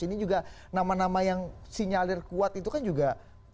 ini juga nama nama yang sinyalir kuat itu kan juga